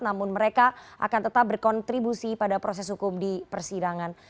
namun mereka akan tetap berkontribusi pada proses hukum di persidangan